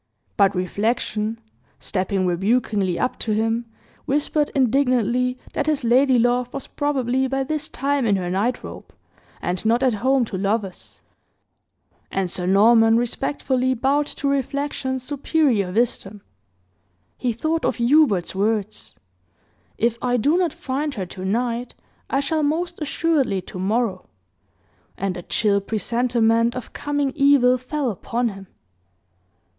But reflection, stepping rebukingly up to him, whispered indignantly, that his ladylove was probably by this time in her night robe, and not at home to lovers; and Sir Norman respectfully bowed to reflection's superior wisdom. He thought of Hubert's words, "If I do not find her tonight, I shall most assuredly to morrow," and a chill presentiment of coming evil fell upon him.